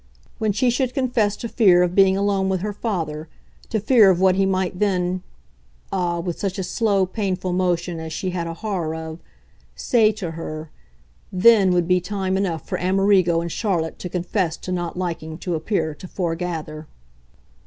When she should confess to fear of being alone with her father, to fear of what he might then ah, with such a slow, painful motion as she had a horror of! say to her, THEN would be time enough for Amerigo and Charlotte to confess to not liking to appear to foregather.